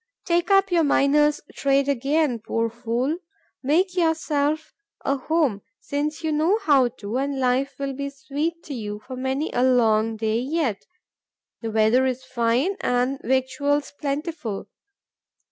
Take up your miner's trade again, poor fool! Make yourself a home, since you know how to, and life will be sweet to you for many a long day yet: the weather is fine and victuals plentiful.